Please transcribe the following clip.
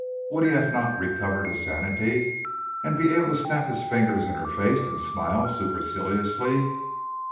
Would he have not recovered his sanity and be able to snap his fingers in her face and smile superciliously?